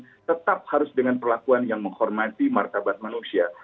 tapi tetap harus dengan perlakuan yang menghormati martabat manusia